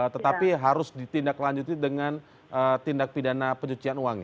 tetapi harus ditindaklanjuti dengan tindak pidana pencucian uang